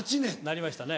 なりましたね。